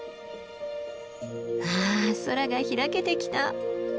あ空が開けてきた。